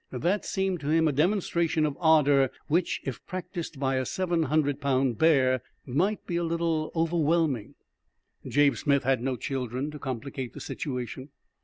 That seemed to him a demonstration of ardor which, if practiced by a seven hundred pound bear, might be a little overwhelming. Jabe Smith had no children to complicate the situation.